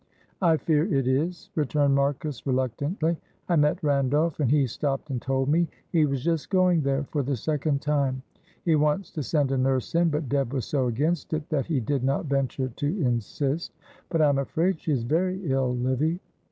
"I fear it is," returned Marcus, reluctantly. "I met Randolph, and he stopped and told me. He was just going there for the second time. He wants to send a nurse in, but Deb was so against it that he did not venture to insist; but I am afraid she is very ill, Livy."